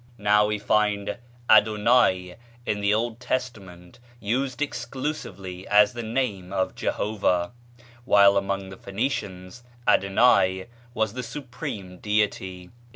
Now we find Adonâi in the Old Testament used exclusively as the name of Jehovah, while among the Phoenicians Adonâi was the supreme deity.